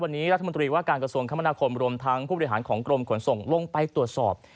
วันนี้รัฐมนตรีว่าการกระทรวงคมนาคมรวมทั้งผู้บริหารของกรมขนส่งลงไปตรวจสอบ